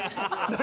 何？